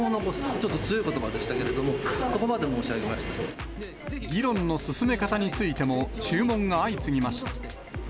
ちょっと強いことばでしたけれども、そこまで申し上げ議論の進め方についても注文が相次ぎました。